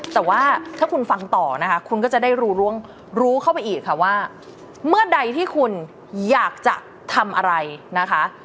แต่ว่าถ้าคุณฟังต่อนะคะคุณก็จะได้รู้รู้เข้าไปอีกค่ะว่าเมื่อใดที่คุณอยากจะทำอะไรนะคะ